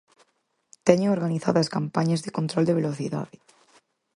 Teñen organizadas campañas de control de velocidade.